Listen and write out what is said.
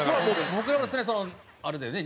僕らの世代あれだよね？